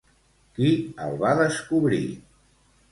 Qui el va descobrir?